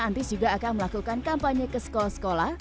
antis juga akan melakukan kampanye ke sekolah sekolah